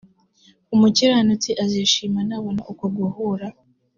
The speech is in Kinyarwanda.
umukiranutsi azishima nabona uko guhura